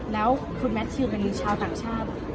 แล้วคุณแมททิวเป็นชาวต่างชาติ